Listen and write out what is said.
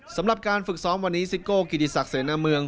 สำหรับการฝึกซ้อมวันนี้ซิโก้กิติศักดิเสนาเมือง